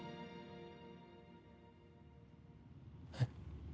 えっ？